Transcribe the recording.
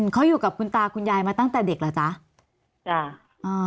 เขาอยู่กับคุณตาคุณยายมาตั้งแต่เด็กเหรอจ๊ะจ้ะอ่า